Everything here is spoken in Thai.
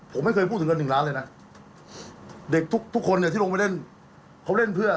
ผมไม่เคยพูดถึงกัน๑ล้านเลยนะ